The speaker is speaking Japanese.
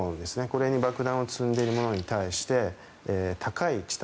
これに爆弾を積んでいるものに対して高い地